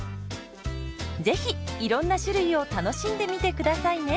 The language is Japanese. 是非いろんな種類を楽しんでみて下さいね。